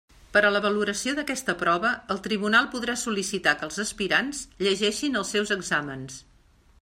Per a la valoració d'aquesta prova el tribunal podrà sol·licitar que els aspirants llegeixin els seus exàmens.